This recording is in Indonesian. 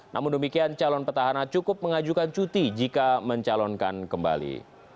namun demikian calon petahana cukup mengajukan cuti jika mencalonkan kembali